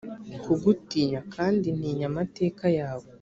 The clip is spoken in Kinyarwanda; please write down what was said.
kugutinya kandi ntinya amateka yawe